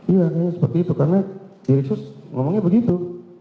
iya kayaknya seperti itu karena di yesus ngomongnya begitu